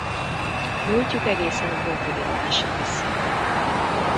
Múltjuk egészen a honfoglalásig visszanyúlik.